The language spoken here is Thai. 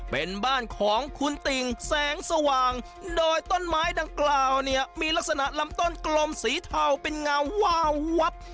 เป็นบ้านของคุณติ่งแสงสว่างโดยต้นไม้ดังกล่าวเนี่ยมีลักษณะลำต้นกลมสีเทาเป็นเงาวาวับ